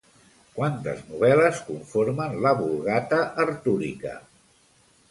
Quantes novel·les conformen la Vulgata artúrica?